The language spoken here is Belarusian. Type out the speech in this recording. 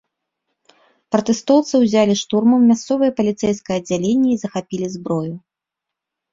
Пратэстоўцы ўзялі штурмам мясцовае паліцэйскае аддзяленне і захапілі зброю.